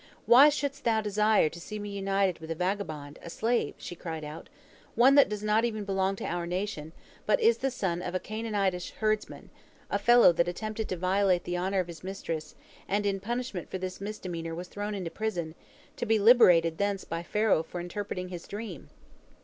"Why shouldst thou desire to see me united with a vagabond, a slave," she cried out, "one that does not even belong to our nation, but is the son of a Canaanitish herdsman, a fellow that attempted to violate the honor of his mistress, and in punishment for this misdemeanor was thrown into prison, to be liberated thence by Pharaoh for interpreting his dream?